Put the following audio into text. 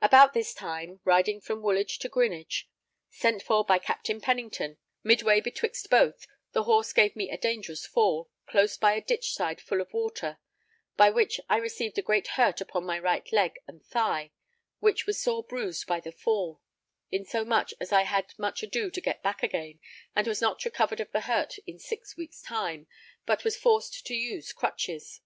About this time, riding from Woolwich to Greenwich, sent for by Captain Pennington, mid way betwixt both, the horse gave me a dangerous fall, close by a ditch side full of water; by which I received a great hurt upon my right leg and thigh, which was sore bruised by the fall, in so much as I had much ado to get back again, and was not recovered of the hurt in six weeks time, but was forced to use crutches.